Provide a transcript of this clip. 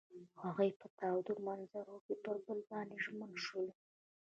هغوی په تاوده منظر کې پر بل باندې ژمن شول.